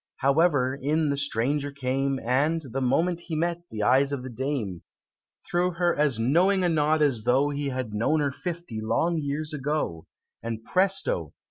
However, in the stranger came, And, the moment he met the eyes of the Dame, Threw her as knowing a nod as though He had known her fifty long years ago; And presto!